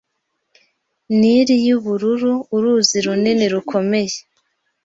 Nili yubururu uruzi runini rukomeye